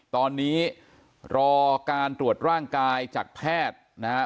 ตอนนี้รอการตรวจร่างกายจากแพทย์นะครับ